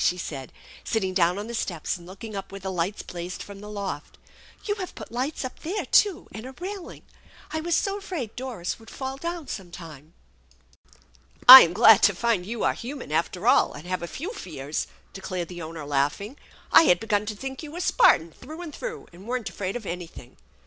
she said, sitting down on the steps and looking up where the lights blazed from the loft. " You have put lights up there, too, and a railing. I was so afraid Doris would fall down some time !"" I'm glad to find you are human, after all, and have a few fears !" declared the owner, laughing. <f I had begun to think you were Spartan through and through and weren't afraid of anything.